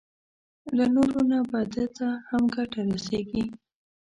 له نورو نه به ده ته هم ګټه رسېږي.